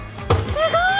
すごい。